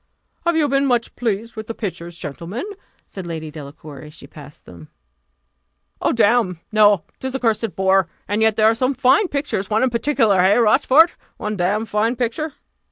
"Have you been much pleased with the pictures, gentlemen?" said Lady Delacour, as she passed them. "Oh, damme! no 'tis a cursed bore; and yet there are some fine pictures: one in particular hey, Rochfort? one damned fine picture!"